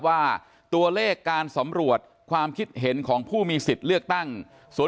ว่าตัวเลขการสำรวจความคิดเห็นของผู้มีสิทธิ์เลือกตั้ง